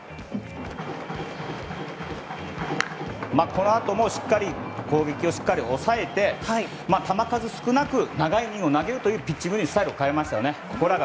このあとも攻撃をしっかり抑えて球数少なく、長いイニングを投げるというピッチングにスタイルを変えましたよね。